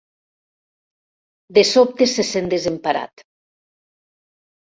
De sobte se sent desemparat.